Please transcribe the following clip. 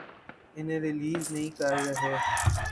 انہیں ریلیز نہیں کر رہے۔